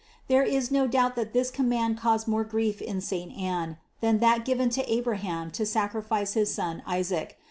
There is no doubt that this command caused more grief in saint Anne, than that given to Abraham to sacrifice his son Isaac.